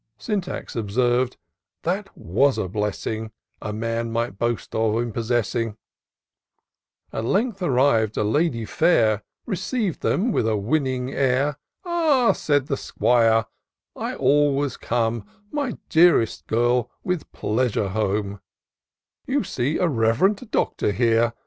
'' Syntax observ'd, " that was a blessing A man might boast of in possessing." IN SEARCH OF THE PICTURESaUE. 109 At length arriv'd, a lady fair Receiv'd them with a winning air. Ah," said the 'Squire, I always come, My dearest girl, with pleasure home : You see a rev'rend Doctor here.